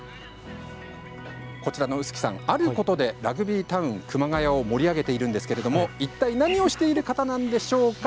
こちらの臼杵さん、あることでラグビータウン熊谷を盛り上げているんですけどもいったい何をしている方なんでしょうか。